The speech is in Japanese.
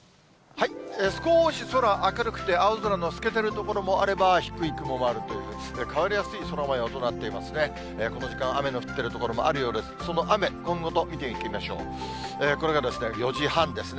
少し空、明るくて青空の透けてる所もあれば、低い雲もあるという、変わりやすい空もようとなっていますね。